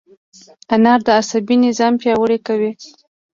انار د عصبي نظام پیاوړی کوي.